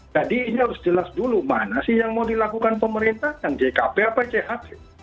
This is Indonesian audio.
jadi ini harus jelas dulu mana sih yang mau dilakukan pemerintahan jkp atau cht